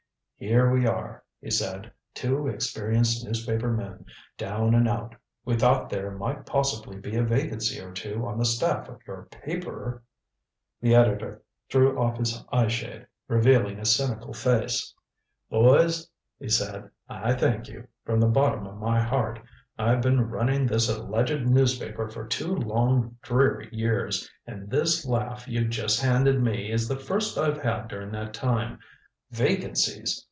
"Here we are," he said, "two experienced newspaper men, down and out. We thought there might possibly be a vacancy or two on the staff of your paper " The editor threw off his eye shade, revealing a cynical face. "Boys," he said, "I thank you, from the bottom of my heart. I've been running this alleged newspaper for two long dreary years, and this laugh you've just handed me is the first I've had during that time. Vacancies!